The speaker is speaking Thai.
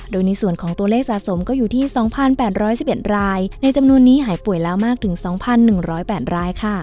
โดยในส่วนของตัวเลขสะสมก็อยู่ที่๒๘๑๑รายในจำนวนนี้หายป่วยแล้วมากถึง๒๑๐๘ราย